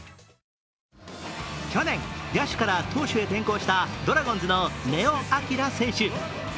去年、野手から投手へ転向したドラゴンズの根尾昂選手。